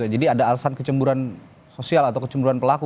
jadi ada alasan kecemburan sosial atau kecemburan pelaku